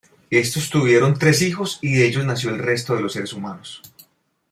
Estos tuvieron tres hijos y de ellos nació el resto de los seres humanos.